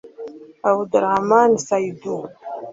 Abdourahamane Saïdou